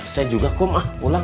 saya juga kum ah pulang